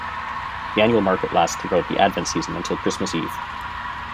The annual market lasts throughout the Advent season until Christmas Eve.